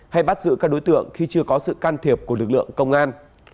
hay bắt giữ các đối tượng khi chưa có sự can thiệp của lực lượng công an